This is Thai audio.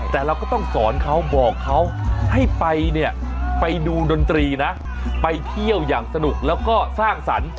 แต่เราก็ต้องสอนเขาบอกเขาให้ไปเนี่ยไปดูดนตรีนะไปเที่ยวอย่างสนุกแล้วก็สร้างสรรค์